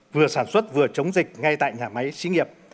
vừa sản xuất vừa chống dịch ngay tại nhà máy xí nghiệp